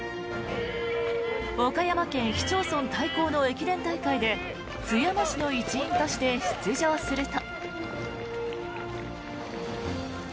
岡山県市町村対抗の駅伝大会で津山市の一員として出場すると。